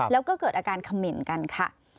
แล้วก็เกิดอาการเขม่นกันค่ะ